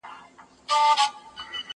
زه هره ورځ پوښتنه کوم!؟